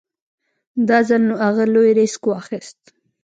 دا ځل نو اغه لوی ريسک واخېست.